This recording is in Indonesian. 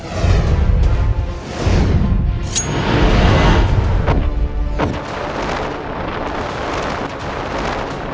tentang badan dia